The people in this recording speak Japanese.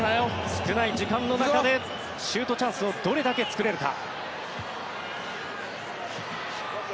少ない時間の中でシュートチャンスをどれだけ作れるか。